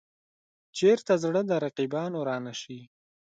چېرته زړه د رقیبانو را نه شي.